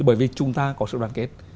bởi vì chúng ta có sự đoàn kết